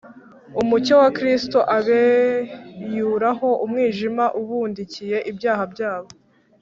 umucyo wa kristo ubeyuraho umwijima ubundikiye ibyaha byabo,